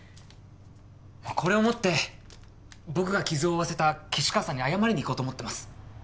これを持って僕が傷を負わせた岸川さんに謝りに行こうと思ってます。